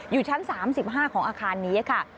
อยู่ชั้น๓๕ของอาคารนี้ค่ะ